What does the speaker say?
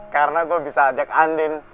karena gue bisa ajak andin